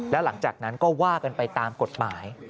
แล้วหลังจากนั้นก็ว่ากันไปตามกฎหมาย